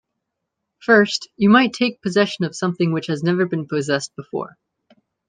First, you might take possession of something which has never been possessed before.